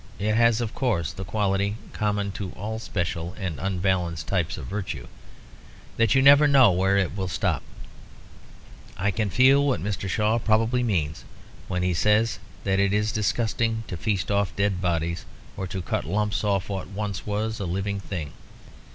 It has, of course, the quality common to all special and unbalanced types of virtue, that you never know where it will stop. I can feel what Mr. Shaw probably means when he says that it is disgusting to feast off dead bodies, or to cut lumps off what was once a living thing.